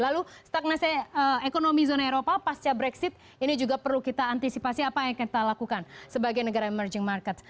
lalu stagnasi ekonomi zona eropa pasca brexit ini juga perlu kita antisipasi apa yang kita lakukan sebagai negara emerging market